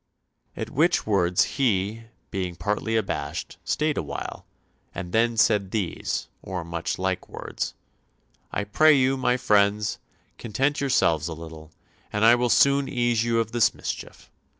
"At which words he, being partly abashed, stayed awhile, and then said these, or much like words, 'I pray you, my friends, content yourselves a little, and I will soon ease you of this mischief.